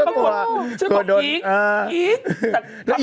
แปลว่าฉันบอกอีกบอกอีก